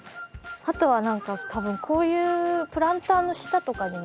あとは何かたぶんこういうプランターの下とかにも。